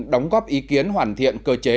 đóng góp ý kiến hoàn thiện cơ chế